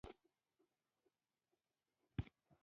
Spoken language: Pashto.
نارینه راووت غوږونه یې ځړېدلي وو.